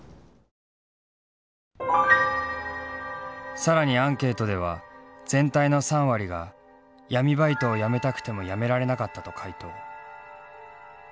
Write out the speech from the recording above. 更にアンケートでは全体の３割が「闇バイトをやめたくてもやめられなかった」と回答。